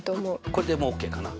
これでもうＯＫかな？